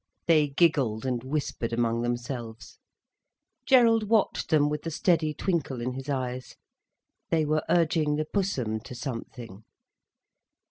They giggled and whispered among themselves. Gerald watched them with the steady twinkle in his eyes. They were urging the Pussum to something.